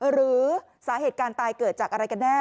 หรือสาเหตุการณ์ตายเกิดจากอะไรกันแน่